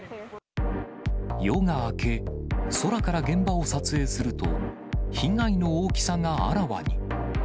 夜が明け、空から現場を撮影すると、被害の大きさがあらわに。